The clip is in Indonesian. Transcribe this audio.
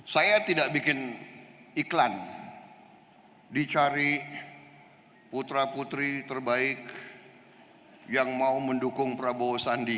saya tidak bikin iklan dicari putra putri terbaik yang mau mendukung prabowo sandi